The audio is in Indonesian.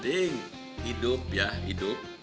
ting hidup ya hidup